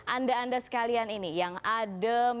anda anda sekalian ini yang adem